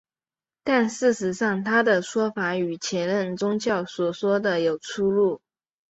但事实上他的说法与前任教宗所说的有出入。